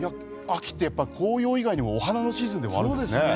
秋ってやっぱり紅葉以外にもお花のシーズンでもあるんですね。